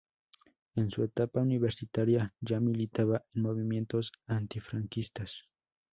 En su etapa universitaria ya militaba en movimientos anti-franquistas.